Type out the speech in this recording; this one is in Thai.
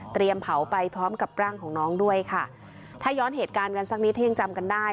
เผาไปพร้อมกับร่างของน้องด้วยค่ะถ้าย้อนเหตุการณ์กันสักนิดถ้ายังจำกันได้